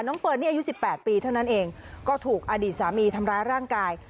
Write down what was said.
เฟิร์นนี่อายุ๑๘ปีเท่านั้นเองก็ถูกอดีตสามีทำร้ายร่างกาย